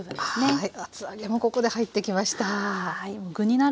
はい。